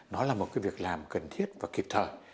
nó là một cái việc làm cần thiết và kịp thời